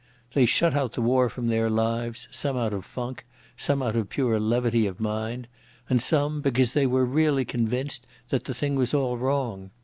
They shut out the war from their lives, some out of funk, some out of pure levity of mind, and some because they were really convinced that the thing was all wrong.